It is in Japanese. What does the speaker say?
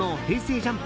ＪＵＭＰ